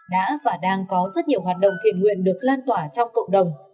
đã và đang có rất nhiều hoạt động thiện nguyện được lan tỏa trong cộng đồng